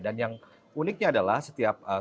dan yang uniknya adalah setiap kebab di sini